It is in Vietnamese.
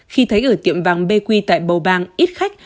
khi thấy ở tiệm vàng bq tại bầu bàng ít khách